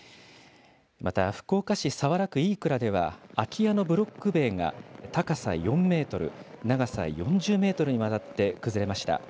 また、福岡市早良区飯倉では、空き家のブロック塀が高さ４メートル、長さ４０メートルにわたって崩れました。